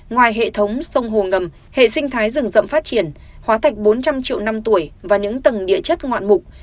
ngoài hệ thống sông hồ ngầm hệ sinh thái rừng rậm phát triển hóa thạch bốn trăm linh triệu năm tuổi và những tầng địa chất ngoạn mục